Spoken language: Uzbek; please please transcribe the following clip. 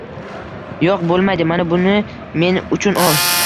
Yo'q, bo'lmaydi, mana buni men uchun ol.